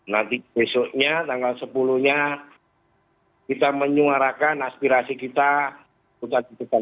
nanti besoknya tanggal sepuluh nya kita menyuarakan aspirasi kita bukan